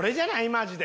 マジで。